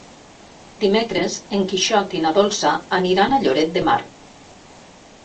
Dimecres en Quixot i na Dolça aniran a Lloret de Mar.